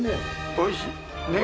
おいしい。